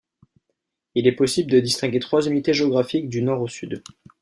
Il est possible de distinguer trois unités géographiques, du nord au sud.